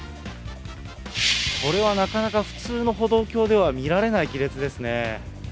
これはなかなか普通の歩道橋では見られない亀裂ですね。